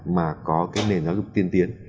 mà có cái nền giáo dục tiên tiến